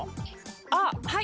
あっはい。